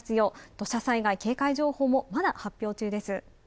土砂災害警戒情報もまだ発表中です。